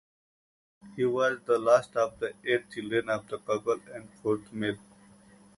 He was the last of the eight children of the couple and fourth male.